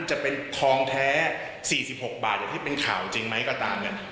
จะเป็นทองแท้๔๖บาทอย่างที่เป็นข่าวจริงไหมก็ตามกัน